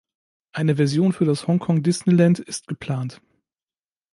Eine Version für das Hong Kong Disneyland ist geplant.